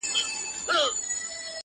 او پر غوږونو یې د رباب د شرنګ -